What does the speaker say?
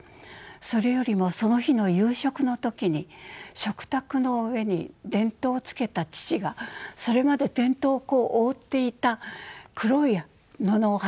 それよりもその日の夕食の時に食卓の上に電灯をつけた父がそれまで電灯を覆っていた黒い布を外したんです。